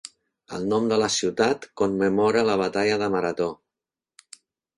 El nom de la ciutat commemora la batalla de Marató.